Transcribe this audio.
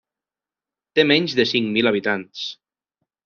Té menys de cinc mil habitants.